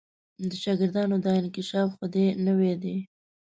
د شاګردانو دا انکشاف خو دې نوی دی.